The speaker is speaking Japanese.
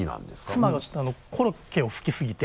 妻がちょっとコロッケを好きすぎて。